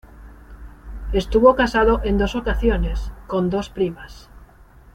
Estuvo casado en dos ocasiones, con dos primas.